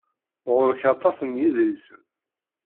Ɣer-k aṭas n yedlisen.